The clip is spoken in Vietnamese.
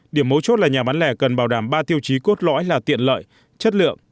điểm mấu chốt là nhà bán lẻ cần bảo đảm ba tiêu chí cốt lõi là tiện lợi chất lượng